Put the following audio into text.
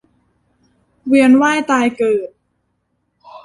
เวียนว่ายตายเกิด